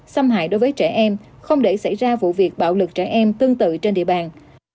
xâm hại đối với trẻ em không để xảy ra vụ việc bạo lực trẻ em tương tự trên địa bàn